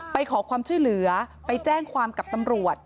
ไปขอความช่วยเหลือไปแจ้งความกับตำรวจ